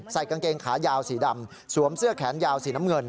กางเกงขายาวสีดำสวมเสื้อแขนยาวสีน้ำเงิน